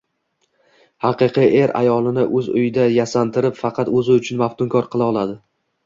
Haqiqiy er ayolini o‘z uyida yasantirib, faqat o‘zi uchun maftunkor qila oladi.